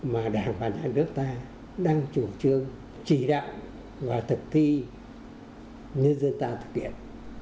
mà đảng và nhà nước ta đang chủ trương chỉ đạo và thực thi nhân dân ta thực hiện